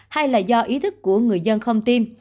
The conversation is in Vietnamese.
hai là do ý thức của người dân không tiêm